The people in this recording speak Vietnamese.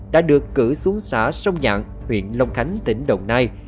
đã được cử xuống xã sông dạng huyện long khánh tỉnh đồng nai